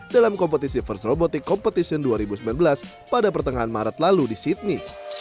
dalam kompetisi first robotic competition dua ribu sembilan belas pada pertengahan maret lalu di sydney